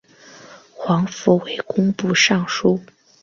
黄福为工部尚书。